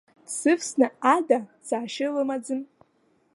Дсывсны ада цашьа лымаӡам.